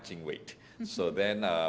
sangat di bawah berat kita